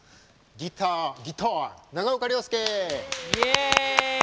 ギター、長岡亮介！